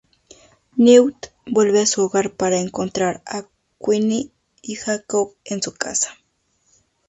Newt vuelve a su hogar para encontrar a Queenie y Jacob en su casa.